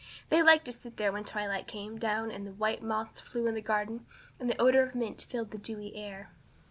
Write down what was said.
They liked to sit there when the twilight came down and the white moths flew about in the garden and the odor of mint filled the dewy air.